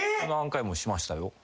何回もしましたよ。